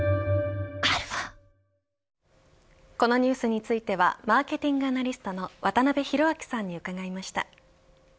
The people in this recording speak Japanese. このニュースについてはマーケティングアナリストの渡辺広明さんに伺いました。